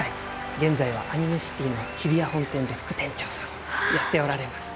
現在はアニメシティの日比谷本店で副店長さんをやっておられます。